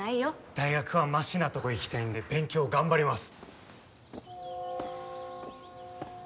大学はマシなとこ行きたいんで勉強頑張ります